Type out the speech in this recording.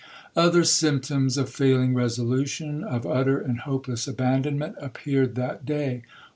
Other symptoms of failing resolution,—of utter and hopeless abandonment, appeared that day.